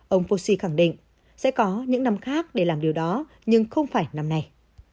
ông fosi khẳng định sẽ có những năm khác để làm điều đó nhưng không phải năm nay